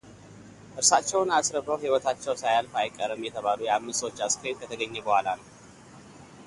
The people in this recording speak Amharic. እራሳቸውን አስርበው ሕይወታቸው ሳያልፍ አይቀርም የተባሉ የአምስት ሰዎች አስክሬን ከተገኘ በኋላ ነው።